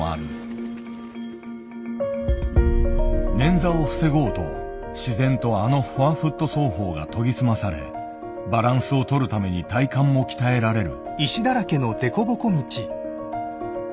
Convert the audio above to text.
捻挫を防ごうと自然とあのフォアフット走法が研ぎ澄まされバランスを取るために体幹も鍛えられる。